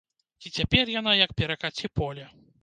І цяпер яна як перакаці-поле.